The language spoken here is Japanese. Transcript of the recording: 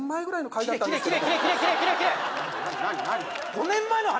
５年前の話？